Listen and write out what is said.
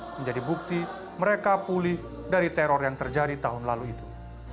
menjadi bukti mereka pulih dari teror yang terjadi tahun lalu itu